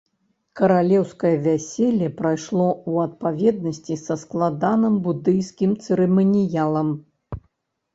Каралеўскае вяселле прайшло ў адпаведнасці са складаным будыйскім цырыманіялам.